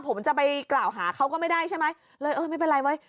ผมจะไปกล่าวหาเขาก็ไม่ได้ใช่ไหมเลยเออไม่เป็นไรเว้ย